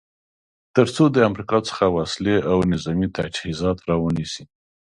تر څو د امریکا څخه وسلې او نظامې تجهیزات را ونیسي.